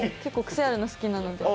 癖あるの、好きなので。